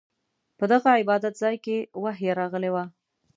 په دغه عبادت ځاې کې وحې راغلې وه.